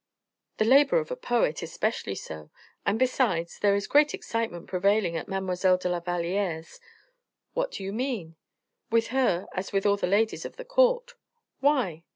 "The labor of a poet especially so; and besides, there is great excitement prevailing at Mademoiselle de la Valliere's." "What do you mean?" "With her as with all the ladies of the court." "Why?"